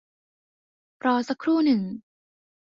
รอสักครู่หนึ่ง